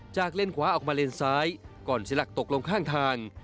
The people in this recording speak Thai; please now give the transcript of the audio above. เลนขวาออกมาเลนซ้ายก่อนเสียหลักตกลงข้างทาง